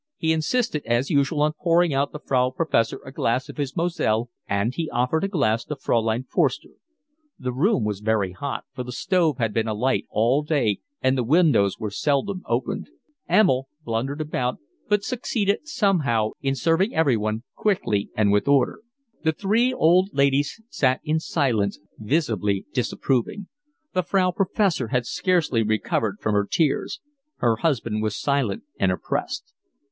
He insisted as usual on pouring out the Frau Professor a glass of his Moselle, and he offered a glass to Fraulein Forster. The room was very hot, for the stove had been alight all day and the windows were seldom opened. Emil blundered about, but succeeded somehow in serving everyone quickly and with order. The three old ladies sat in silence, visibly disapproving: the Frau Professor had scarcely recovered from her tears; her husband was silent and oppressed.